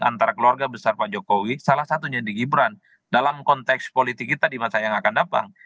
antara keluarga besar pak jokowi salah satunya di gibran dalam konteks politik kita di masa yang akan datang